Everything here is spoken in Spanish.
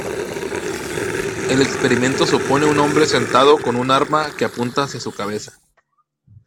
El experimento supone un hombre sentado con un arma que apunta hacia su cabeza.